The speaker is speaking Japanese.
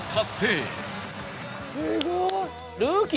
すごい！